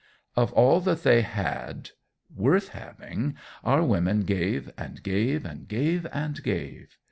Of all that they had, worth having, our women gave and gave and gave and gave.